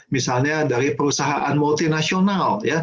misalnya dari perusahaan multinasional